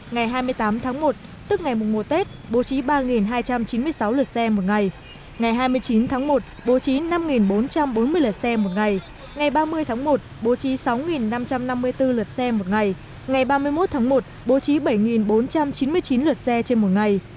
ngày hai mươi tám tháng một tức ngày mùng mùa tết bố trí ba hai trăm chín mươi sáu lượt xe một ngày ngày hai mươi chín tháng một bố trí năm bốn trăm bốn mươi lượt xe một ngày ngày ba mươi tháng một bố trí sáu năm trăm năm mươi bốn lượt xe một ngày ngày ba mươi một tháng một bố trí bảy bốn trăm chín mươi chín lượt xe trên một ngày